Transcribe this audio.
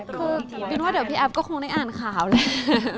คือบินว่าเดี๋ยวพี่แอฟก็คงได้อ่านข่าวแหละ